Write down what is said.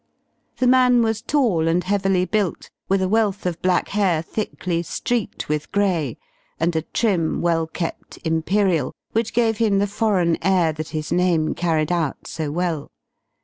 The man was tall and heavily built, with a wealth of black hair thickly streaked with gray, and a trim, well kept "imperial" which gave him the foreign air that his name carried out so well.